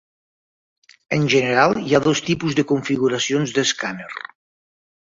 En general, hi ha dos tipus de configuracions d'escàner.